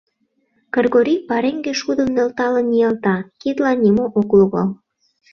Кыргорий пареҥге шудым нӧлталын ниялта — кидлан нимо ок логал.